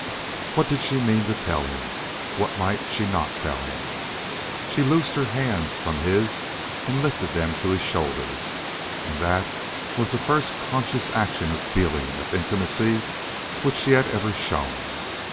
What did she mean to tell him? What might she not tell him? She loosed her hands from his and lifted them to his shoulders, and that was the first conscious action of feeling, of intimacy, which she had ever shown.